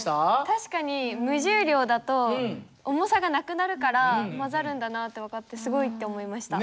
確かに無重量だと「重さ」がなくなるから混ざるんだなって分かってすごいって思いました。